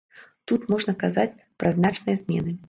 Тут можна казаць пра значныя змены.